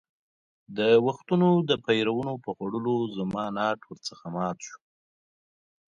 د وختونو د پېرونو په خوړلو زما ناټ ور څخه مات شو.